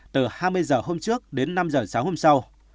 từ hai mươi giờ hôm trước đến năm giờ sáng hôm sau